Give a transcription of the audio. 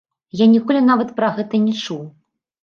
Я ніколі нават пра гэта не чуў.